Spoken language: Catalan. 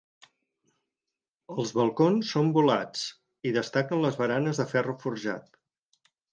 Els balcons són volats i destaquen les baranes de ferro forjat.